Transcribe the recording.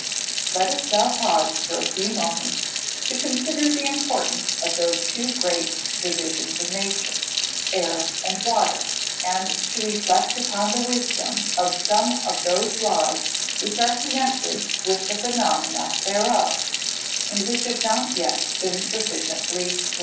Let us now pause for a few moments to consider the importance of those two great divisions of nature, Air and Water, and to reflect upon the wisdom of some of those laws which are connected with the phenomena thereof, and which have not yet been sufficiently explained.